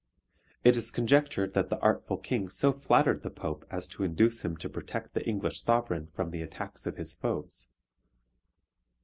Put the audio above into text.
It is conjectured that the artful King so flattered the Pope as to induce him to protect the English sovereign from the attacks of his foes.